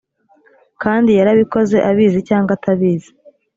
kandi yarabikoze abizi cyangwa atabizi